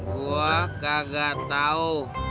gua kagak tau